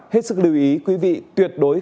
hết sức lưu ý quý vị tuyệt đối